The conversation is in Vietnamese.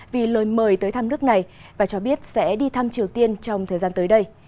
vì lời mời tới thăm nước này và cho biết sẽ đi thăm triều tiên trong thời gian tới đây